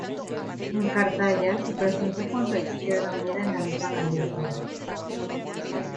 En Cartaya se presentó junto a Izquierda Unida en la misma candidatura.